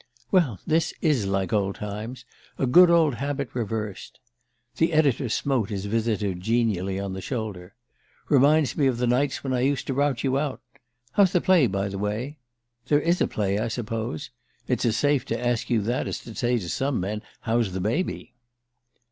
"Well this is like old times a good old habit reversed." The editor smote his visitor genially on the shoulder. "Reminds me of the nights when I used to rout you out... How's the play, by the way? There is a play, I suppose? It's as safe to ask you that as to say to some men: 'How's the baby?